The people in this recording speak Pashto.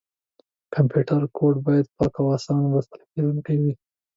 کمپیوټر کوډ باید پاک او اسانه لوستل کېدونکی وي.